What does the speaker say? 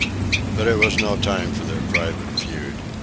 But it was no time for their private feud.